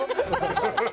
ハハハハ！